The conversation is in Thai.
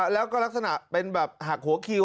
แล้วก็ลักษณะเป็นแบบหักหัวคิว